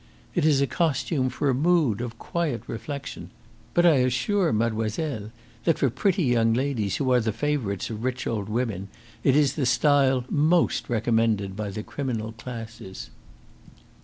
It is a costume for a mood of quiet reflection. But I assure mademoiselle that for pretty young ladies who are the favourites of rich old women it is the style most recommended by the criminal classes."